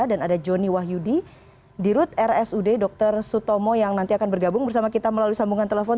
dan ada joni wahyudi dirut rsud dr sutomo yang nanti akan bergabung bersama kita melalui sambungan telepon